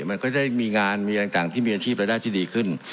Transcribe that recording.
มันก็จะมีงานมีอะไรต่างที่มีอาชีพรายได้ที่ดีขึ้น